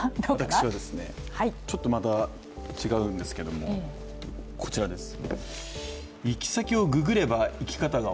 私はちょっと違うんですけど、こちらです。